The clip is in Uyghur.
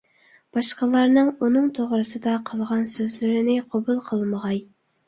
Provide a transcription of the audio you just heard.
باشقىلارنىڭ ئۇنىڭ توغرىسىدا قىلغان سۆزلىرىنى قوبۇل قىلمىغاي.